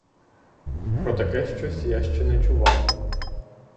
Про таке щось я ще не чував.